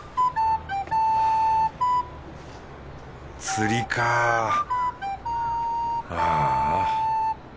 釣りかぁ。ああ。